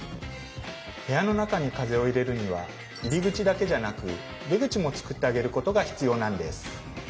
部屋の中に風を入れるには入り口だけじゃなく出口もつくってあげることが必要なんです。